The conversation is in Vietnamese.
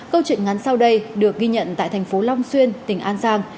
câu chuyện ngắn sau đây được ghi nhận tại thành phố long xuyên tỉnh an giang